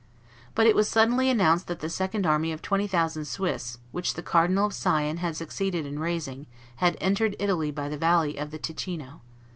But it was suddenly announced that the second army of twenty thousand Swiss, which the Cardinal of Sion had succeeded in raising, had entered Italy by the valley of the Ticino.